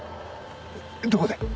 どこで？